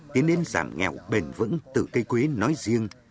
tiến đến giảm nghèo bền vững từ cây quế nói riêng